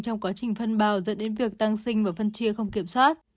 trong quá trình phân bào dẫn đến việc tăng sinh và phân chia không kiểm soát